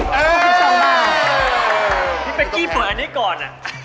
พี่เป๊กกี้เปิดอันนี้ก่อน